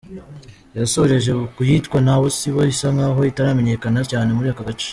Yasoreje ku yitwa ’Nabo sibo’, isa nk’aho itaramenyekana cyane muri aka gace.